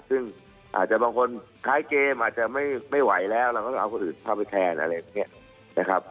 ซึ่งภายเกมอาจจะไม่ไหวแล้วแล้วก็เราจะเอาคนอื่นภาพไปแทนอะไรแบบนี้